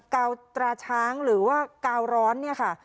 กาวตราช้างหรือว่ากาวร้อนเนี่ยค่ะ